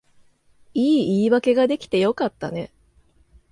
いい言い訳が出来てよかったね